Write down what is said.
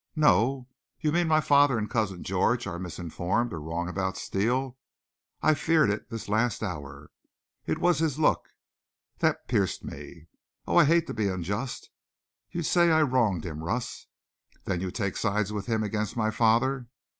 "No. You mean my father and cousin George are misinformed or wrong about Steele? I've feared it this last hour. It was his look. That pierced me. Oh, I'd hate to be unjust. You say I wronged him, Russ? Then you take sides with him against my father?"